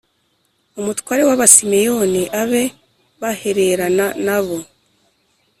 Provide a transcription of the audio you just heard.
umutware w’Abasimeyoni abe bahererana na bo